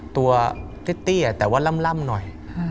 ตัวเต็ตตี้หน่อยแต่ว่าล่ามหน่อย